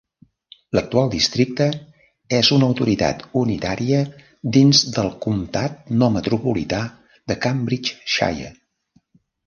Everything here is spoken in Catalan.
L'actual districte és una autoritat unitària dins del comtat no metropolità de Cambridgeshire.